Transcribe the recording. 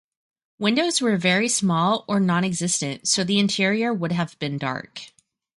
Windows were very small or non-existent, so the interior would have been dark.